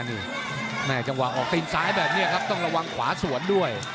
ในกำหว่างออกติดซ้ายแบบนี้ครับต้องระวังขวาสวนด้วย